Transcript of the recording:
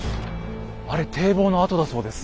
あれ堤防の跡だそうです。